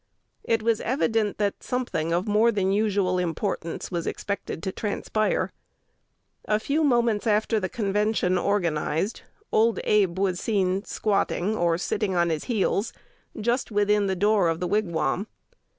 It was evident that something of more than usual importance was expected to transpire. A few moments after the convention organized, "Old Abe" was seen squatting, or sitting on his heels, just within the door of the Wigwam.